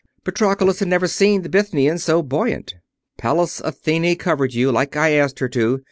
Patroclus had never seen the Bithynian so buoyant. "Pallas Athene covered you, like I asked her to.